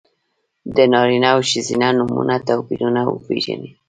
د نارینه او ښځینه نومونو توپیرونه وپېژنئ!